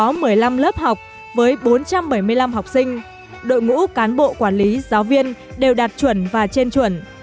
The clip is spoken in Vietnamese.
trong lớp học với bốn trăm bảy mươi năm học sinh đội ngũ cán bộ quản lý giáo viên đều đạt chuẩn và trên chuẩn